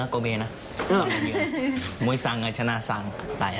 ขอบคุณครับ